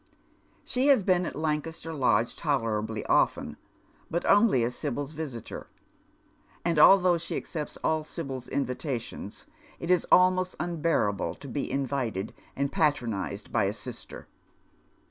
She has been at Lancaster Lodge tolerablf often, Jbut only as Sibyl's visitor, and 5 M Dead MerCi Shoe*. although she accepts all Sibyl's invitations, it is almost unbear able to be invited and patronized by a sister.